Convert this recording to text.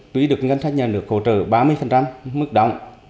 tùy được ngân sách nhận được hỗ trợ ba mươi mức động